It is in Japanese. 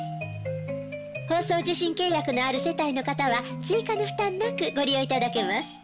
放送受信契約のある世帯の方は追加の負担なくご利用いただけます。